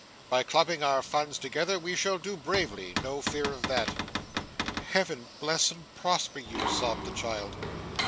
By clubbing our funds together, we shall do bravely; no fear of that.' 'Heaven bless and prosper you!' sobbed the child.